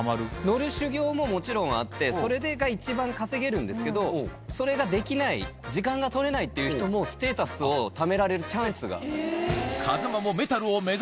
乗る修行ももちろんあってそれが一番稼げるんですけどそれができない時間が取れないっていう人もステータスをためられるチャンス。